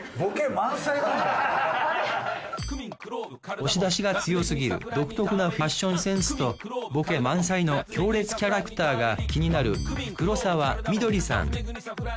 押し出しが強すぎる独特なファッションセンスとボケ満載の強烈キャラクターが気になる黒澤みどりさん。